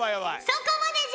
そこまでじゃ！